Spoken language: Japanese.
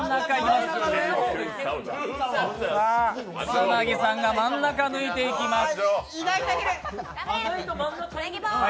草薙さんが真ん中を抜いていきます。